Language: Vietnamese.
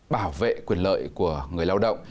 bảo vệ quyền lợi của người lao động